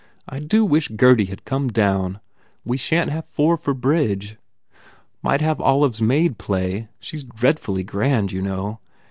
I do wish Gurdy had come down ! We shan t have four for bridge. Might have Olive s maid play. She s dreadfully grand, you know?